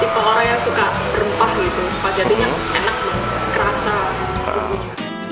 tipe orang yang suka rempah gitu spaghetti yang enak banget kerasa